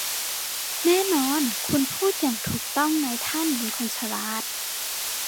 แน่นอนคุณพูดอย่างถูกต้องนายท่านเป็นคนฉลาด